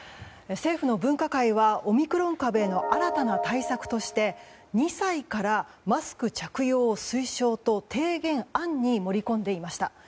政府の分科会はオミクロン株への新たな対策として２歳からマスク着用を推奨と提言案に盛り込んでいました。